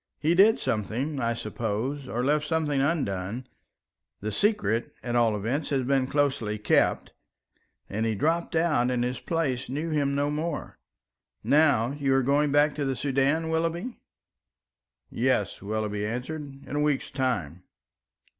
He did something, I suppose, or left something undone, the secret, at all events, has been closely kept, and he dropped out, and his place knew him no more. Now you are going back to the Soudan, Willoughby?" "Yes," Willoughby answered, "in a week's time."